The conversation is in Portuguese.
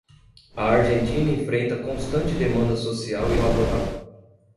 A Argentina enfrenta constante demanda social e laboral.